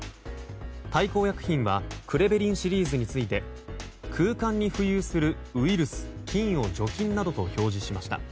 大幸薬品はクレベリンシリーズについて空間に浮遊するウイルス・菌を削除などと表示しました。